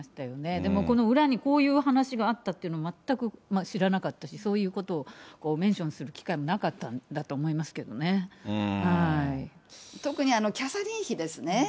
でもこの裏にこういう話があったというのは全く知らなかったし、そういうことをメンションする機会もなかったんだと思いますけど特にキャサリン妃ですね。